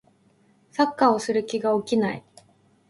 サッカーをする気が起きない